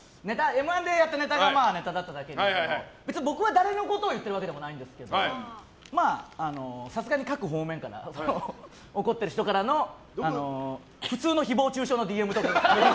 「Ｍ‐１」でやったネタがネタだっただけに別に僕は誰のことを言っているわけじゃないんですけどさすがに各方面から怒ってる人からの普通の誹謗中傷のＤＭとかが。